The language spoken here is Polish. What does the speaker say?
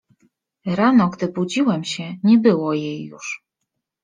Rano, gdy budziłem się, nie było jej już.